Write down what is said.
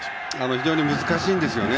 非常に難しいんですよね。